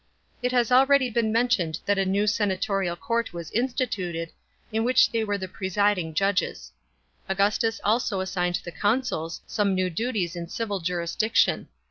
It has already been mentioned that a new senatorial court was instituted, in which they were the presiding judges. Augustus al o assigned the consuls some new duties in civil jurisdiction.